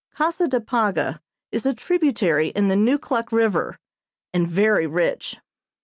Casa de Paga is a tributary of the Neukluk River, and very rich.